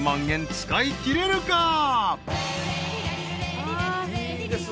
円使いきれるか？］